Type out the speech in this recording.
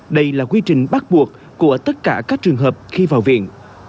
đây là quy trình bắt buộc của tất cả các trường hợp khi vào viện